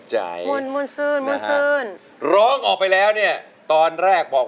เหมือนมวลแตรง